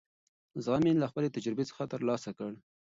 زغم مې له خپلې تجربې څخه ترلاسه کړ.